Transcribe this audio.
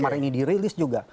karena ini dirilis juga